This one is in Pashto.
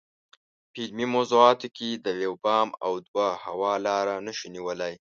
په علمي موضوعاتو کې د یو بام او دوه هوا لاره نشو نیولای.